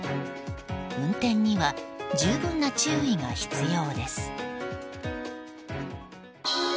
運転には十分な注意が必要です。